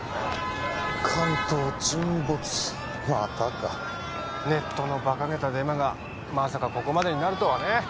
関東沈没またかネットのバカげたデマがまさかここまでになるとはね